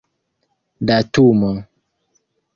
datumo